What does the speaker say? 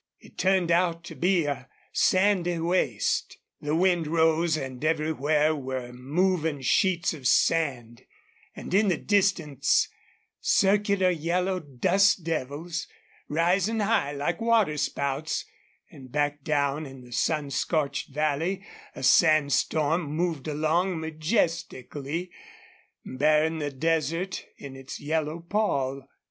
It turned out to be a sandy waste. The wind rose and everywhere were moving sheets of sand, and in the distance circular yellow dust devils, rising high like waterspouts, and back down in the sun scorched valley a sandstorm moved along majestically, burying the desert in its yellow pall.